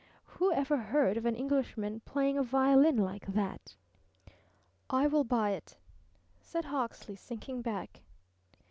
Who ever heard of an Englishman playing a violin like that? "I will buy it," said Hawksley, sinking back.